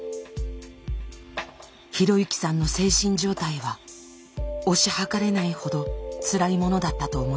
啓之さんの精神状態は推し量れないほどつらいものだったと思います。